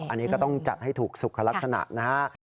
อันนี้ก็ต้องจัดให้ถูกสุขลักษณะนะฮะ